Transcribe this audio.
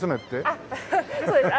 あっそうですか。